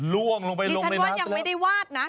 ล่วงลงไปลงในน้ำดิฉันว่ายังไม่ได้วาดนะ